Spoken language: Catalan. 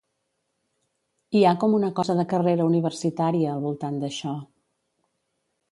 Hi ha com una cosa de carrera universitària al voltant d'això.